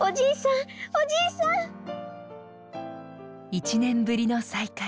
１年ぶりの再会。